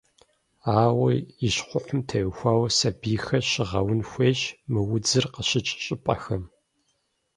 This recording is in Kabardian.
Ауэ, и щхъухьым теухуауэ сабийхэр щыгъэун хуейщ мы удзыр къыщыкӏ щӏыпӏэхэм.